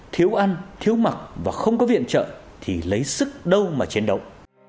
thiếu ăn thiếu mặc và không có viện trợ thì lấy sức đâu mà chiến đấu